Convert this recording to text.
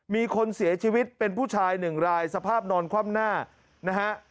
มีคนเสียชีวิตเป็นผู้ชายหนึ่งรายสภาพนอนคว่ำหน้านะฮะ